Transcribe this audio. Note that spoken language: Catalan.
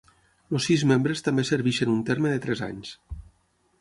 Els sis membres també serveixen un terme de tres anys.